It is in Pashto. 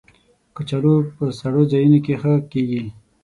کچالو په سړو ځایونو کې ښه کېږي